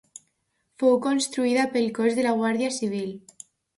Fou construïda pel cos de la guàrdia Civil.